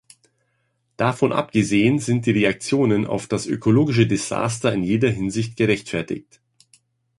Davon abgesehen sind die Reaktionen auf das ökologische Desaster in jeder Hinsicht gerechtfertigt.